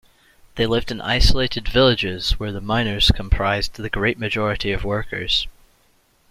They lived in isolated villages where the miners comprised the great majority of workers.